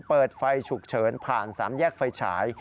เปิดไฟฉุกเฉินผ่านสามแยกไฟฉาย